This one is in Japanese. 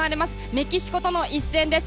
メキシコとの一戦です。